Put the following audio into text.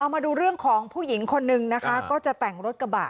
มาดูเรื่องของผู้หญิงคนนึงนะคะก็จะแต่งรถกระบะ